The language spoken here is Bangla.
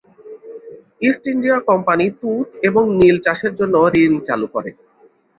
ইস্ট ইন্ডিয়া কোম্পানি তুঁত এবং নীল চাষের জন্যে ঋণ চালু করে।